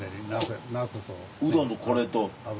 うどんとこれと。